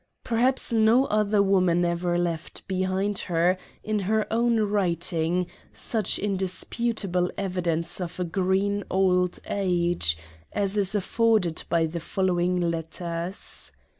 Perhaps no other woman ever left behind her, in her own writing, such indisputable evidence of a green old age, as is afforded by the following letters.